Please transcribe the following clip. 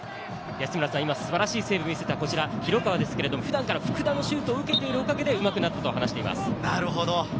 素晴らしいセーブを見せた広川は、普段から福田のシュートを受けているおかげでうまくなったと話しています。